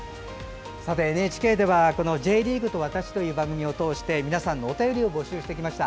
ＮＨＫでは「Ｊリーグと私」という番組を通して皆さんのお便りを募集してきました。